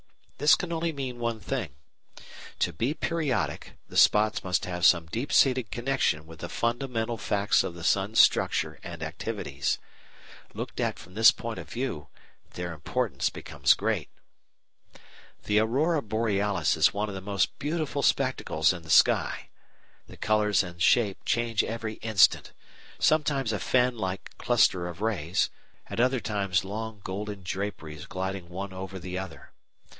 Now this can only mean one thing. To be periodic the spots must have some deep seated connection with the fundamental facts of the sun's structure and activities. Looked at from this point of view their importance becomes great. [Illustration: Reproduction from "The Forces of Nature" (Messrs. Macmillan) THE AURORA BOREALIS The aurora borealis is one of the most beautiful spectacles in the sky. The colours and shape change every instant; sometimes a fan like cluster of rays, at other times long golden draperies gliding one over the other.